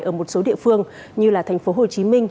ở một số địa phương như là thành phố hồ chí minh